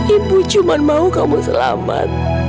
ibu cuma mau kamu selamat